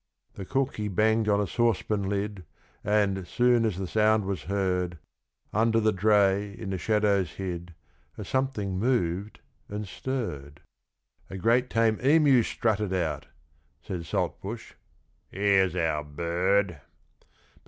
The cook he banged on a saucepan lid; and, soon as the sound was heard, Under the dray, in the shadows hid, a something moved and stirred: A great tame Emu strutted out. Said Saltbush, 'Here's our bird!'